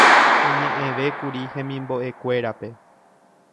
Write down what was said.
oñe'ẽvékuri hemimbo'ekuérape